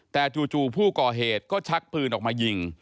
แต่จู่ผู้ก่อเหตุก็ชักปืนออกมายิง